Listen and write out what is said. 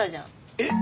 えっ？